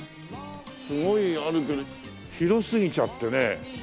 すごいあるけど広すぎちゃってね。